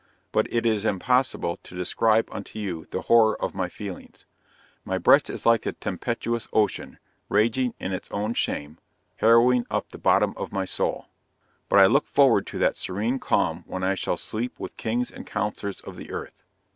But it is impossible to describe unto you the horror of my feelings. My breast is like the tempestuous ocean, raging in its own shame, harrowing up the bottom of my soul! But I look forward to that serene calm when I shall sleep with Kings and Counsellors of the earth.